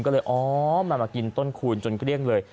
ก็เลยอ๋อมันมากินต้นคูณจนเกลี้ยงเลย